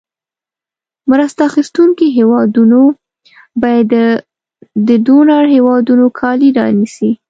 مرسته اخیستونکې هېوادونو باید د ډونر هېوادونو کالي رانیسي.